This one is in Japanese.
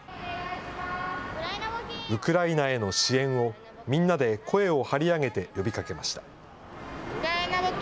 ウクライナへの支援をみんなで声を張り上げて呼びかけました。